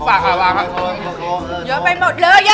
ผมฝากความหวัดค่ะโอเค